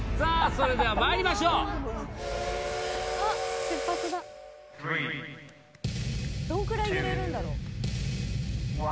それではまいりましょうどんくらい揺れるんだろう？